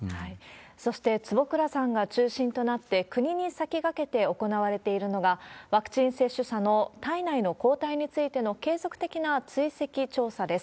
そして、坪倉さんが中心となって、国に先駆けて行われているのが、ワクチン接種者の体内の抗体についての継続的な追跡調査です。